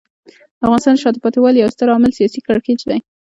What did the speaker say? د افغانستان د شاته پاتې والي یو ستر عامل سیاسي کړکېچ دی.